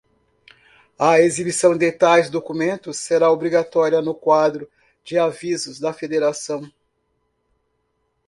A exibição de tais documentos será obrigatória no quadro de avisos da federação.